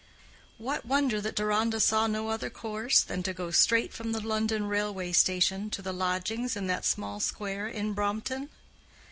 What wonder that Deronda saw no other course than to go straight from the London railway station to the lodgings in that small square in Brompton?